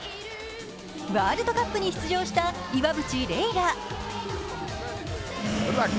ワールドカップに出場した岩渕麗楽。